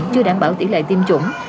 nhưng chưa đảm bảo tỉ lệ tiêm chủng